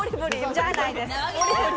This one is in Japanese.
じゃないです。